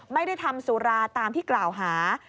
ไม่ได้ทำสุราตามที่กล่าวหา